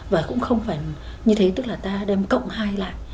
và cũng không phải như thế tức là ta đem cộng hai lại